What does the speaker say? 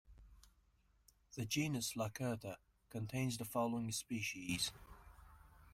The genus "Lacerta" contains the following species.